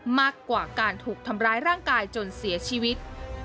มากกว่าการถูกทำร้ายร่างกายจนเสียชีวิต